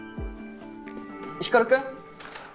光君！